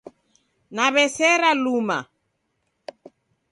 Naw'esera luma